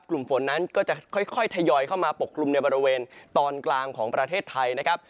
กลุ่มฝนนั้นก็จะค่อยทยอยเข้ามาปกคลุมในบริเวณตอนกลางของประเทศไทยนะครับ